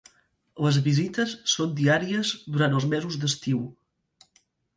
Les visites són diàries durant els mesos d'estiu.